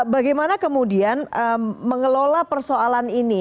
bagaimana kemudian mengelola persoalan ini